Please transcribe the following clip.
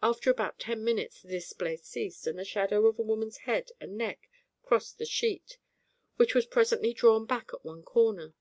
After about ten minutes the display ceased and the shadow of a woman's head and neck crossed the sheet, which was presently drawn back at one corner.